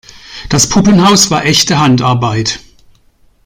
Das Puppenhaus war echte Handarbeit.